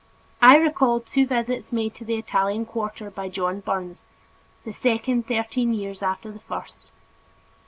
I recall two visits made to the Italian quarter by John Burns the second, thirteen years after the first.